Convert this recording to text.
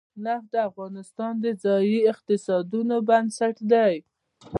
نفت د افغانستان د ځایي اقتصادونو بنسټ دی.